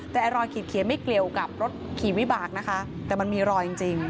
แต่รอยขีดเขียนไม่เกี่ยวกับรถขี่วิบากนะคะแต่มันมีรอยจริง